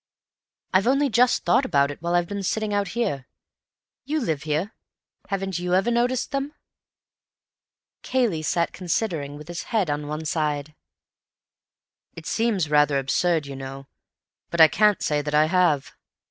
"I've only just thought about it while I've been sitting out here. You live here—haven't you ever noticed them?" Cayley sat considering, with his head on one side. "It seems rather absurd, you know, but I can't say that I have."